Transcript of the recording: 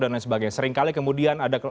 dan lain sebagainya seringkali kemudian ada